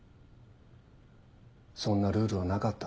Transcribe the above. そんなルールはなかった。